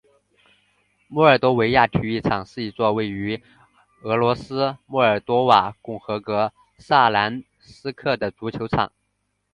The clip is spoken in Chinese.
莫尔多维亚体育场是一座位于俄罗斯莫尔多瓦共和国萨兰斯克的足球场。